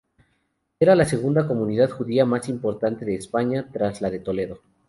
Era la segunda comunidad judía más importante de España, tras la de Toledo.